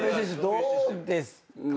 どうですか？